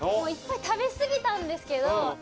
いっぱい食べすぎたんですけど。